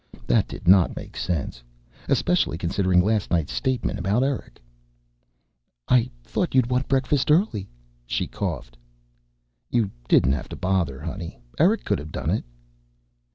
That did not make sense, especially considering last night's statement about Eric. "I thought you'd want breakfast early," she coughed. "You didn't have to bother, honey. Eric could have done it."